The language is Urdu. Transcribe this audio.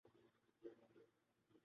آکسیجن تھراپی ایک طریقہ علاج ہے